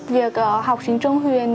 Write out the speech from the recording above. việc học sinh trung huyền